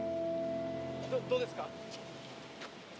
どうですか？